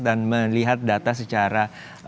dan melihat data secara